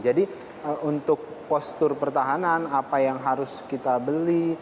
jadi untuk postur pertahanan apa yang harus kita beli